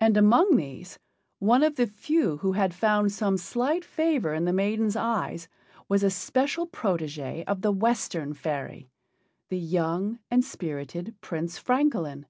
And among these, one of the few who had found some slight favor in the maiden's eyes was a special protégé of the Western fairy the young and spirited Prince Francolin.